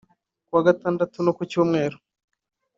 kuwa gatandatu no kucyumweru